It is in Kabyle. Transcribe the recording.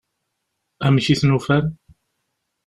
Amek i ten-ufan?